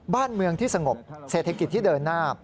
บ้านเมืองที่สงบเศรษฐกิจที่เดินหน้า